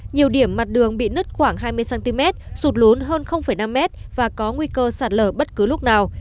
nhiều điểm mặt đường bị nứt khoảng hai mươi cm sụt lún hơn năm mét và có nguy cơ sạt lở bất cứ lúc nào